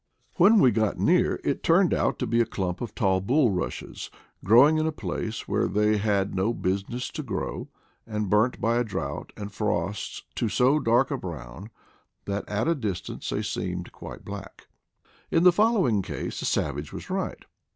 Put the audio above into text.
When we got near it turned out to be a clump of tall bullrushes, growing in a place where they had no business to grow, and burnt by drought and frosts to so dark a brown that at a distance they seemed quite black. SIGHT IN SAVAGES 169 In the following case the savage was right.